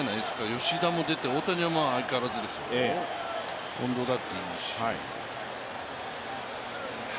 吉田も出て大谷は相変わらずでしょ近藤だっていいし。